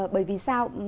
bởi vì sao